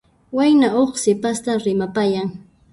Wayna huk sipasta rimapayan.